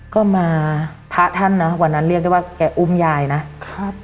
ก็มาพระท่านนะวันนั้นเรียกได้ว่าแกอุ้มยายนะครับ